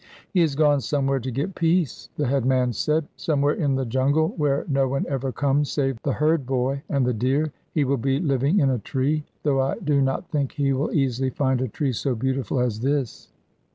'He has gone somewhere to get peace,' the headman said. 'Somewhere in the jungle, where no one ever comes save the herd boy and the deer, he will be living in a tree, though I do not think he will easily find a tree so beautiful as this.'